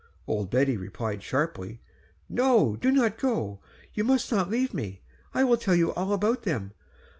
Old Betty replied sharply, "No, do not go. You must not leave me. I will tell you all about them.